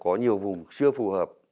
có nhiều vùng chưa phù hợp